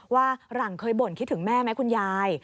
ว่าหลังเคยบ่นคิดถึงแม่ไหมคุณยาย